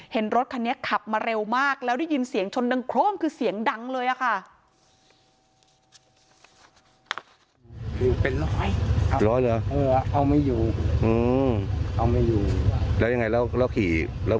รถคันนี้ขับมาเร็วมากแล้วได้ยินเสียงชนดังโครมคือเสียงดังเลยอะค่ะ